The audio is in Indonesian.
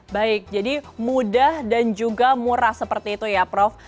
baik jadi mudah dan juga murah seperti itu ya prof